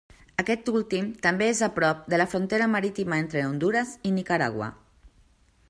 Aquest últim també és a prop de la frontera marítima entre Hondures i Nicaragua.